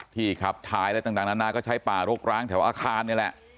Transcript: ขับท้ายอะไรต่างนานาก็ใช้ป่ารกร้างแถวอาคารนี่แหละ